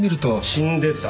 死んでた。